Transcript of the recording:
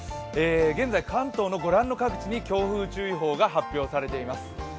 現在、関東のご覧の各地に強風注意報が発表されています。